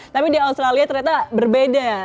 tapi di australia ternyata berbeda